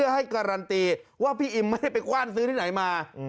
ให้การันตีว่าพี่อิมไม่ได้ไปกว้านซื้อที่ไหนมา